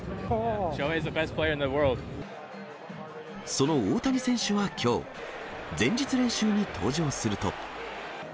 その大谷選手はきょう、前日練習に登場すると。